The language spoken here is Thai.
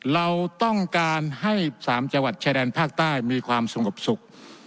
เราต้องการให้๓จังหวัดชายแดนภาคใต้มีความสงบสุข